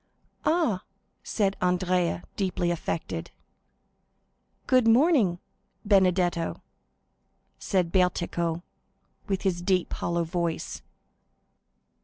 "Ah," said Andrea, deeply affected. "Good morning, Benedetto," said Bertuccio, with his deep, hollow voice.